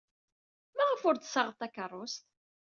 Maɣef ur d-tessaɣed takeṛṛust?